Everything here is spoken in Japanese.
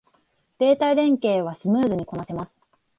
データ連携はスムーズにこなせます